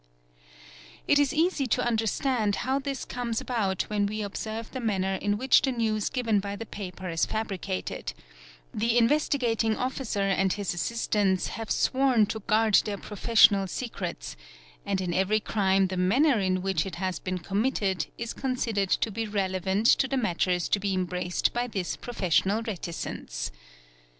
It is easy to understand how this comes about when we observe the manner in which the news given by the paper is fabricated ; the Investi gating Officer and his assistants have sworn to guard their professional secrets, and in every crime the manner in which it has been committed is considered to be relevant to the matters to be embraced by this _ professional reticence.